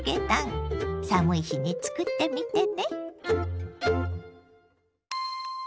寒い日につくってみてね！